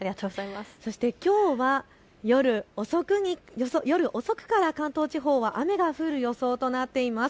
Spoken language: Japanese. そしてきょうは夜遅くから関東地方は雨が降る予想となっています。